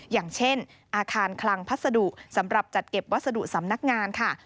อย่างเช่นอาคารคลังพัสดุสำหรับจัดเก็บวัสดุสำนักงานค่ะ